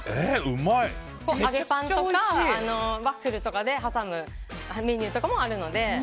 揚げパンとかワッフルとかで挟むメニューとかもあるので。